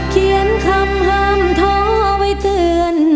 เขียนคำห้ามท้อไว้เตือน